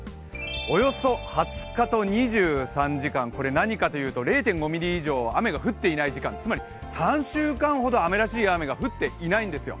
およそ２０日と２３時間、これ何かというと０．５ミリ以上雨が降っていない時間、つまり３週間ほど雨らしい雨が降っていないんですよ。